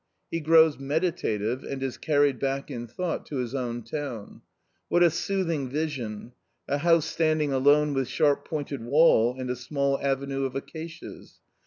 He grows meditative and is carried back in thought to his own town. What a soothing vision ! A house standing alone with sharp pointed wall and a small avenue of acacias.